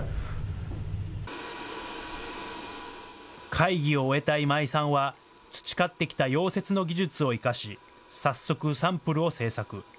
会議を終えた今井さんは、培ってきた溶接の技術を生かし、早速、サンプルを製作。